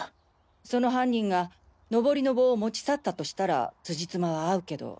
その犯人がノボリの棒を持ち去ったとしたらつじつまは合うけど。